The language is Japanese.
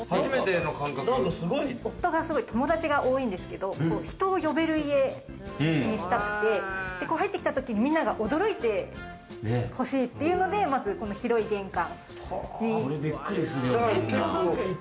夫が、すごい友達が多いんですけど、人を呼べる家にしたくて、入ってきたとき、みんなに驚いて欲しいっていうので、まずこの広い玄関。